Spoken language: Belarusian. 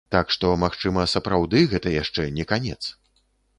Так што, магчыма, сапраўды, гэта яшчэ не канец?